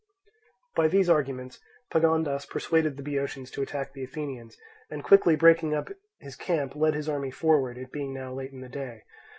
By these arguments Pagondas persuaded the Boeotians to attack the Athenians, and quickly breaking up his camp led his army forward, it being now late in the day.